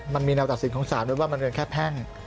มันมีเนาตัดสินของสาธารณ์ว่ามันเงินแค่แพ่ง